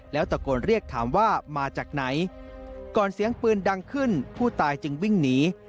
แล้วตะโกนเรียกถามว่ามาจากไหนก่อนเสียงปืนดังขึ้นผู้ตายจึงวิ่งหนี